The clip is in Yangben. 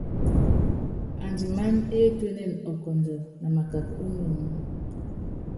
Andimanámɛ étuénene ɔkɔndjɔ na makap ó nyonyi.